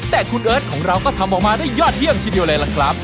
แต่คุณเอิร์ทของเราก็ทำออกมาได้ยอดเยี่ยมทีเดียวเลยล่ะครับ